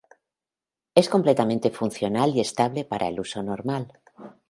Es completamente funcional y estable para uso normal.